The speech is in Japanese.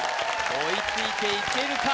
追いついていけるか？